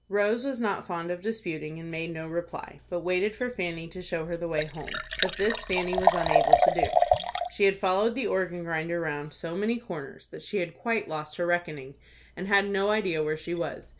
Rose was not fond of disputing, and made no reply, but waited for Fanny to show her the way home. But this Fanny was unable to do. She had followed the organ grinder round so many corners that she had quite lost her reckoning, and had no idea where she was.